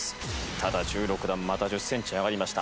ただ１６段また１０センチ上がりました。